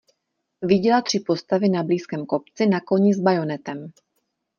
Viděla tři postavy na blízkém kopci na koni s bajonetem.